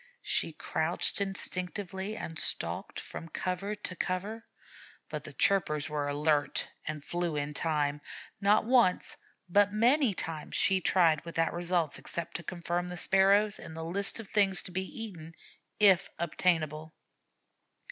She crouched instinctively and stalked from cover to cover, but the chirpers were alert and flew in time. Not once, but many times, she tried without result except to confirm the Sparrows in the list of things to be eaten if obtainable.